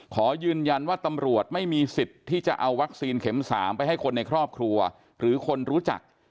ขอยืนยันว่าตำรวจไม่มีสิทธิ์ที่จะเอาวัคซีนเข็ม๓ไปให้คนในครอบครัวหรือคนรู้จัก